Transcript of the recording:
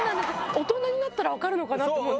大人になったらわかるのかな？と思うんですよ。